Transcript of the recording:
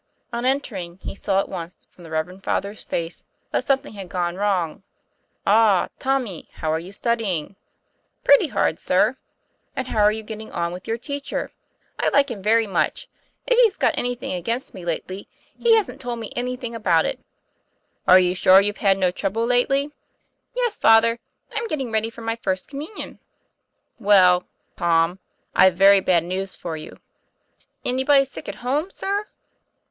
On entering, he saw at once from the reverend Father's face that something had gone wrong. "Ah! Tommy; how are you studying?" ''Pretty hard, sir." "And how are you getting on with your teacher?" "I like him very much. If he's got anything against me lately he hasn't told me anything about it," 198 TOM PLAYFAIR. "Are you sure you've had no trouble lately?" "Yes, Father; I'm getting ready for my First Communion." ' Well, Tom, I've very bad news for you." "Anybody sick at home, sir?"